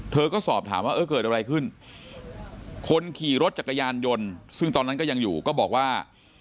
ก็สอบถามว่าเออเกิดอะไรขึ้นคนขี่รถจักรยานยนต์ซึ่งตอนนั้นก็ยังอยู่ก็บอกว่า